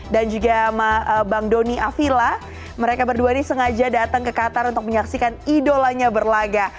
dan juga bang doni afila mereka berdua ini sengaja datang ke qatar untuk menyaksikan idolanya berlaga